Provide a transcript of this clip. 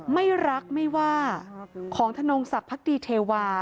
ไม่รักไม่ว่าของธนงศักดิ์ดีเทวา